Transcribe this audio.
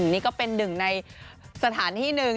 นี่ก็เป็นหนึ่งในสถานที่หนึ่ง